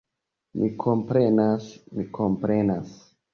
Mi komprenas, mi komprenas!